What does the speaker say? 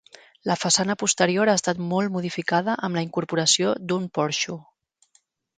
La façana posterior ha estat molt modificada amb la incorporació d'un porxo.